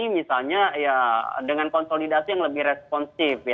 misalnya ya dengan konsolidasi yang lebih responsif